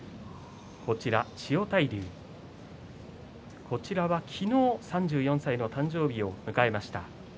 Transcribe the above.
千代大龍は昨日、３４歳の誕生日を迎えました。